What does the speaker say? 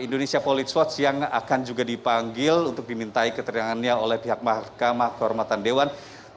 indonesia police watch yang akan juga dipanggil untuk dimintai keterangannya oleh pihak mahkamah kehormatan dewan